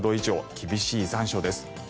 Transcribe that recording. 厳しい残暑です。